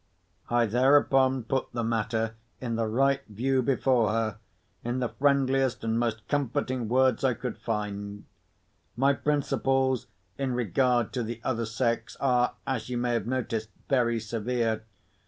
I thereupon put the matter in the right view before her, in the friendliest and most comforting words I could find. My principles, in regard to the other sex, are, as you may have noticed, very severe.